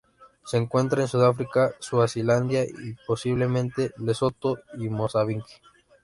Se encuentra en Sudáfrica, Suazilandia y, posiblemente, Lesoto y Mozambique.